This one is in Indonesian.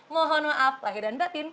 mohon maaf lahir dan batin